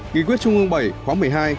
nghị quyết trung ương bảy khóa một mươi hai